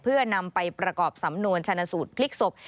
เพื่อนำไปประกอบสำนวนชนะสูตรพลิกศพ